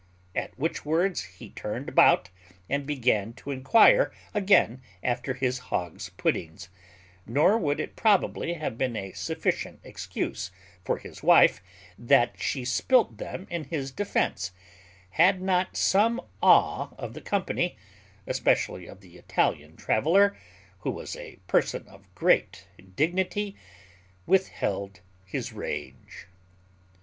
At which words he turned about, and began to inquire again after his hog's puddings; nor would it probably have been a sufficient excuse for his wife, that she spilt them in his defence, had not some awe of the company, especially of the Italian traveller, who was a person of great dignity, withheld his rage.